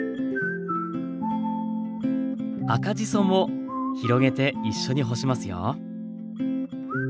赤じそも広げて一緒に干しますよ。